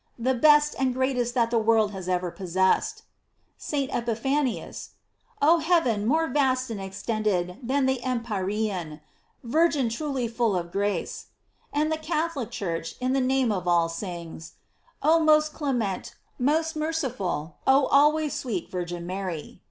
The best and greatest that the world has ever possessed 1* GLORIES OF MARY. 789 St. Epiphanius : "Oh heaven more vast and ex tended than the empyrean ! Virgin truly full of grace !" And the Catholic Church, in the name of all, sings : "Oh most clement, most merciful, oh always sweet Virgin Mary